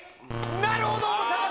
なるほど。